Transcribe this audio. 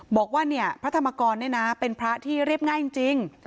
บอกว่าเนี่ยพระธรรมกรเนี่ยนะเป็นพระที่เรียบง่ายจริง